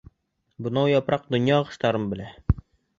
Бынау япраҡ донъя ағыштарын белә.